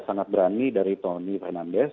sangat berani dari tony fernandes